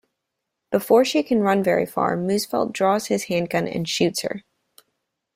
Before she can run very far, Muhsfeldt draws his handgun and shoots her.